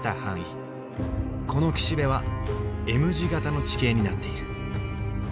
この岸辺はＭ字形の地形になっている。